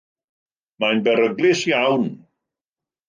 Mae'n beryglus iawn.